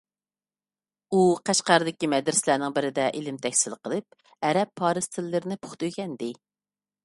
ئۇ قەشقەردىكى مەدرىسەلەرنىڭ بىرىدە ئىلىم تەھسىل قىلىپ، ئەرەب، پارس تىللىرىنى پۇختا ئۆگەندى.